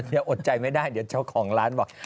อดใจไม่ได้เดี๋ยวเจ้าของร้านบอก